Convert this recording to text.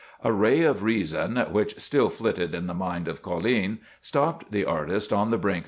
A ray of reason, which still flitted in the mind of Colline, stopped the artist on the brink of this precipice.